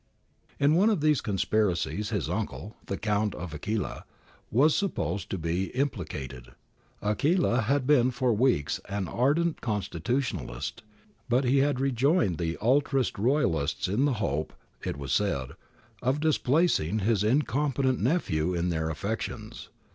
In one of these conspiracies his uncle, the Count of Aquila, was supposed to be im plicated. Aquila had been for a few weeks an ardent constitutionalist, but he had rejoined the ultra Royalists in the hope, it was said, of displacing his incompetent nephew in their affections.